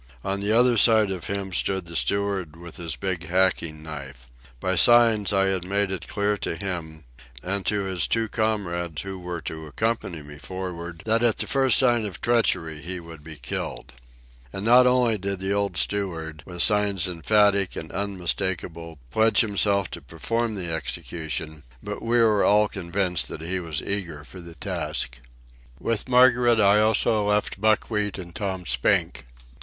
On the other side of him stood the steward with his big hacking knife. By signs I had made it clear to him, and to his two comrades who were to accompany me for'ard, that at the first sign of treachery he would be killed. And not only did the old steward, with signs emphatic and unmistakable, pledge himself to perform the execution, but we were all convinced that he was eager for the task. With Margaret I also left Buckwheat and Tom Spink.